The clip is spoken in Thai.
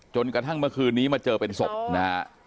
จนกระทั่งเมื่อคืนนี้มาเจอเป็นศพนะฮะ